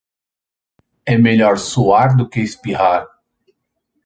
É melhor suar do que espirrar.